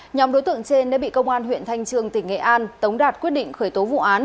nhóm đối tượng trên đã bị công an huyện thanh trương tỉnh nghệ an tống đạt quyết định khởi tố vụ án